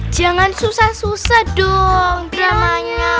jangan susah susah dong dramanya